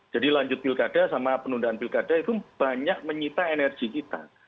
jadi lanjut pilkada sama penundaan pilkada itu banyak menyita energi kita